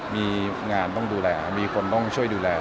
มีงานต้องดูแลมีคนต้องช่วยดูแล